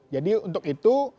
jadi untuk itu